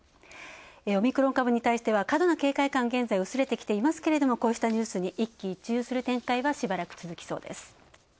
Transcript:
オミクロン株に対しては、過度な警戒感は薄れてきましたがこうしたニュースに一喜一憂する展開は、しばらく続きそうです。